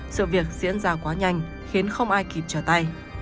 sự việc diễn ra quá nhanh khiến không ai kịp trở tay